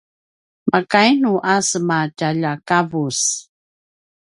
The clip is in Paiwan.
makainu a sema tjaljakavus?